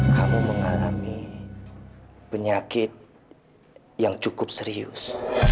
kamu mengalami penyakit yang cukup serius